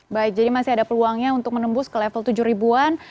baik jadi masih ada peluangnya untuk menembus ke level tujuh ribuan